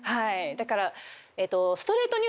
だから。